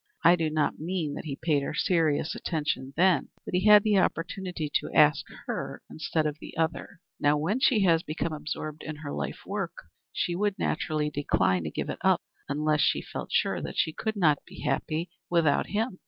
I do not mean that he paid her serious attention then, but he had the opportunity to ask her instead of the other. Now, when she has become absorbed in her life work, she would naturally decline to give it up unless she felt sure that she could not be happy without him."